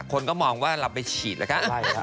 คนก็มองว่าเราไปฉีดหรือคะ